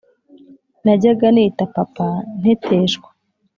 najyaga nita papa nteteshwa,